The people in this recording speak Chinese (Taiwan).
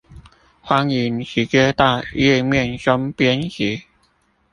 歡迎直接到頁面中編輯